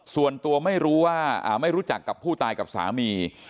ส่วนตัวไม่รู้ว่าไม่รู้จักกับผู้ตายกับสามี